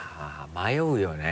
迷うよね。